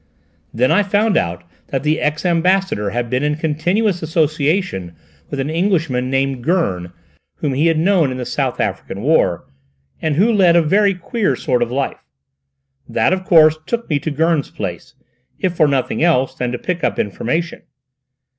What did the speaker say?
Then I found out that the ex Ambassador had been in continuous association with an Englishman named Gurn whom he had known in the South African war, and who led a very queer sort of life. That of course took me to Gurn's place, if for nothing else than to pick up information.